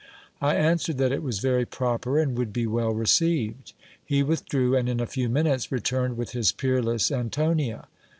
I answered that it was very proper, and would be well received. He withdrew, and in a few minutes returned with his peerless Antonia.